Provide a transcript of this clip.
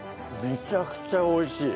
めちゃくちゃ美味しい。